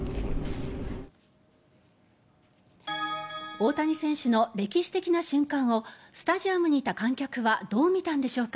大谷選手の歴史的な瞬間をスタジアムにいた観客はどう見たんでしょうか。